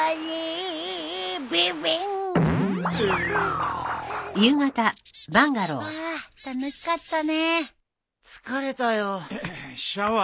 えっ。